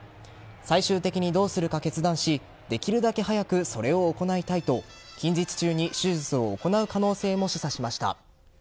最終的にどうするか決断しできるだけ早くそれを行いたいと近日中に手術を行う可能性も示唆しました。